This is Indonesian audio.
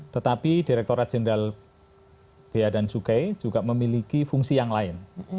tetapi direkturat jenderal bea dan cukai juga memiliki fungsi yang lain